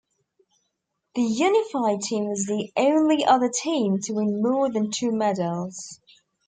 The Unified Team was the only other team to win more than two medals.